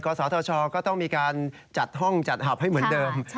ศทชก็ต้องมีการจัดห้องจัดหับให้เหมือนเดิม